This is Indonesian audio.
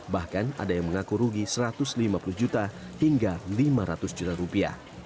bahkan ada yang mengaku rugi satu ratus lima puluh juta hingga lima ratus juta rupiah